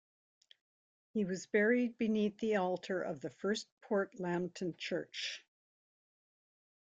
He was buried beneath the altar of the first Port Lambton Church.